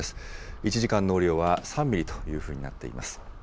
１時間の雨量は３ミリというふうになっています。